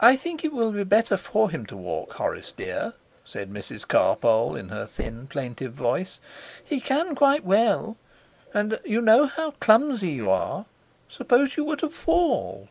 'I think it will be better for him to walk, Horace dear,' said Mrs Carpole, in her thin, plaintive voice. 'He can, quite well. And you know how clumsy you are. Supposing you were to fall!'